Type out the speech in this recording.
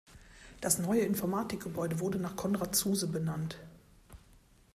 Das neue Informatikgebäude wurde nach Konrad Zuse benannt.